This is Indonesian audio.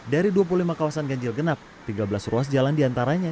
dari dua puluh lima kawasan ganjil genap tiga belas ruas jalan diantaranya